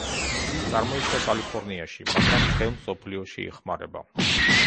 წარმოიშვა კალიფორნიაში, მაგრამ მთელ მსოფლიოში იხმარება.